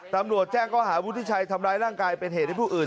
ตำรวจแจ้งข้อหาวุฒิชัยทำร้ายร่างกายเป็นเหตุให้ผู้อื่น